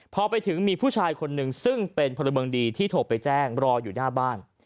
พอไปถึงมีผู้ชายคนหนึ่งซึ่งเป็นพลเมืองดีที่โทรไปแจ้งรออยู่หน้าบ้าน